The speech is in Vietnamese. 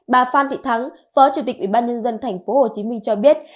bà phan thị thắng phó chủ tịch ủy ban nhân dân tp hcm cho biết